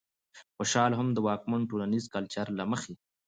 خوشال هم د واکمن ټولنيز کلچر له مخې